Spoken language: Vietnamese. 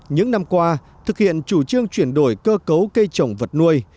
những năm qua thực hiện chủ trương chuyển đổi cơ cấu cây trồng vật nuôi